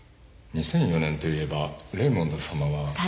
２００４年といえばレイモンドさまは。